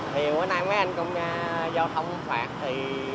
thì hồi nãy mấy anh công gia giao thông phạt thì